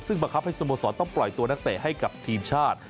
ซึ่งบังคับให้สโมสรต้องปล่อยตัวนักเตะให้กับทีมชาติ